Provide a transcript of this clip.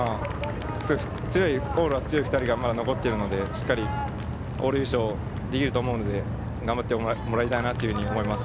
オーラが強い２人がまだ残っているので、しっかり往路優勝できると思うので、頑張ってもらいたいなと思います。